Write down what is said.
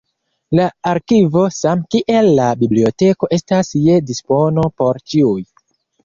La arkivo same kiel la biblioteko estas je dispono por ĉiuj.